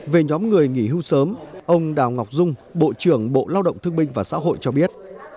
về nhóm người nghỉ hưu sớm ông đào ngọc dung bộ trưởng bộ lao động thương binh và xã hội cho biết